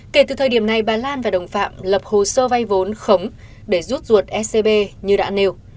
kể từ thời điểm này bà lan và đồng phạm lập hồ sơ vay vốn khống để rút ruột ecb như đã nêu